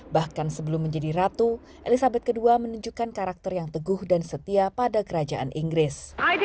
bahkan sebelum menjadi ratu elizabeth ii menunjukkan karakter yang teguh dan setia pada kerajaan inggris